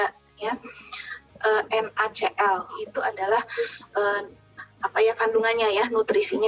jadi di dalam garam ada banyak produk yang mengandungkan nutrisinya